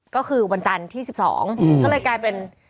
ก็คือวันจันทร์ที่๑๒ก็เลยกลายเป็น